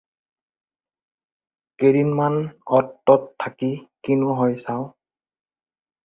কেইদিনমান অ'ত ত'ত থাকি কিনো হয় চাওঁ।